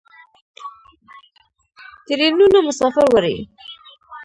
ټرینونه مسافر وړي.